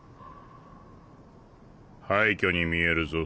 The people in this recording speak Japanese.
廃虚に見えるぞ。